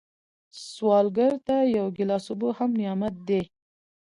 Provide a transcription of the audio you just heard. سوالګر ته یو ګیلاس اوبه هم نعمت دی